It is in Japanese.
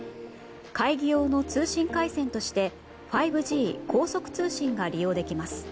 会議用の通信回線として５Ｇ・高速通信が利用できます。